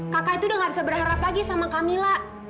kakak itu udah gak bisa berharap lagi sama kamila